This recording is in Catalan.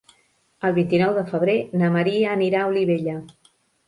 El vint-i-nou de febrer na Maria anirà a Olivella.